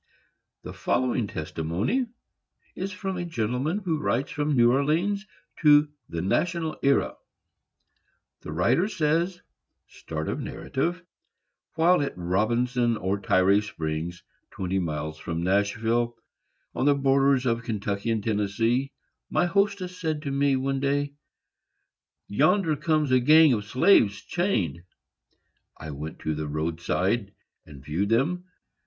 The following testimony is from a gentleman who writes from New Orleans to the National Era. This writer says: While at Robinson, or Tyree Springs, twenty miles from Nashville, on the borders of Kentucky and Tennessee, my hostess said to me, one day, "Yonder comes a gang of slaves, chained." I went to the road side and viewed them.